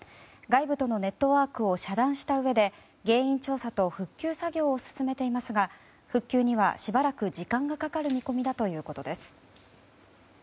外部とのネットワークを遮断したうえで原因調査と復旧作業を進めていますが復旧にはしばらく時間がかかる見込みだということです。